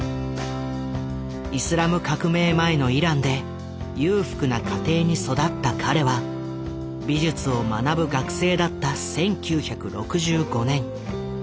イスラム革命前のイランで裕福な家庭に育った彼は美術を学ぶ学生だった１９６５年ニューヨークを訪れる。